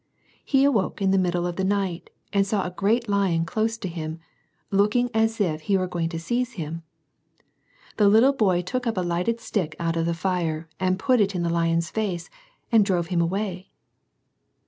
He awoke in the middle of the night and saw a great lion close to him, looking as if he was going to seize him. The little boy took up a lighted stick out of the fire, and put it in the lion's face, and drove him away.